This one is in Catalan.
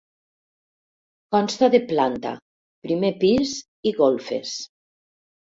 Consta de planta, primer pis i golfes.